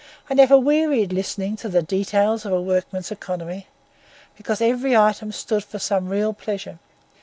I never wearied listening to the details of a workman's economy, because every item stood for some real pleasure.